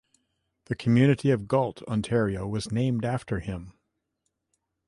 The community of Galt, Ontario was named after him.